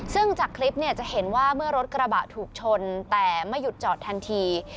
ซึ่งจากคลิปเนี่ยจะเห็นว่าเมื่อรถกระบะถูกชนแต่ไม่หยุดจอดทันที